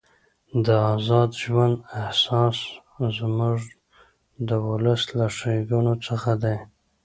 د ازاد ژوند احساس زموږ د ولس له ښېګڼو څخه دی.